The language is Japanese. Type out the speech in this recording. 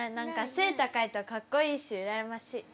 背高いとかっこいいし羨ましい。